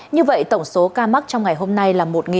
như vậy tổng số ca mắc trong ngày hôm nay là một sáu trăm hai mươi năm